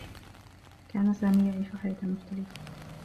كان سامي يعيش حياة مختلفة.